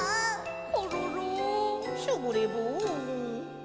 「コロロン」「ショボレボン」